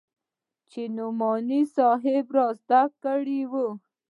چې نعماني صاحب رازده کړې وه.